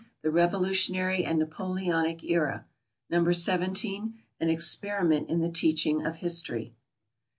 The Revolutionary and Napoleonic Era. No. 17. An Experiment in the Teaching of History.